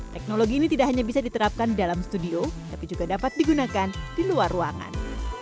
teknologi ini tidak hanya bisa diterapkan dalam studio tapi juga dapat digunakan di luar ruangan